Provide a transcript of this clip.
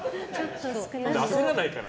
焦らないから。